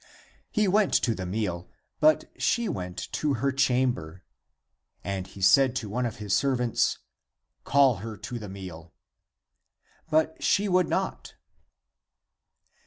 He went to the meal, but she went to her chamber. And he said to one of his servants, " Call her to the meal." But she would not.